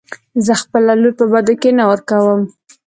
زه خپله لور په بدو کې نه ورکم .